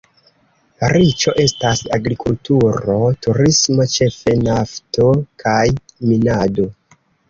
Riĉo estas agrikulturo, turismo, ĉefe nafto kaj minado.